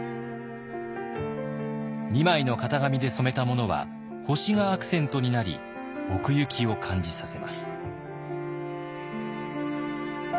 ２枚の型紙で染めたものは星がアクセントになり奥行きを感じさせます。